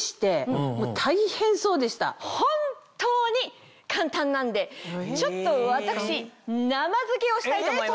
本当に簡単なんでちょっと私生着けをしたいと思います。